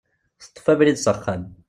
Teṭṭef abrid s axxam.